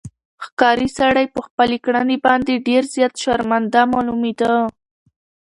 ښکاري سړی په خپلې کړنې باندې ډېر زیات شرمنده معلومېده.